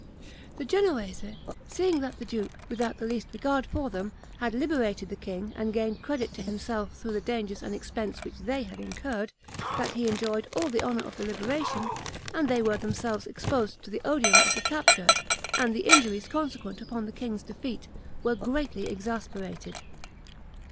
The Genoese, seeing that the duke, without the least regard for them, had liberated the king, and gained credit to himself through the dangers and expense which they had incurred; that he enjoyed all the honor of the liberation, and they were themselves exposed to the odium of the capture, and the injuries consequent upon the king's defeat, were greatly exasperated.